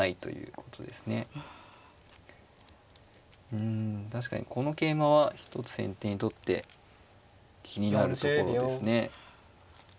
うん確かにこの桂馬は一つ先手にとって気になるところですね。